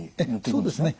そうですね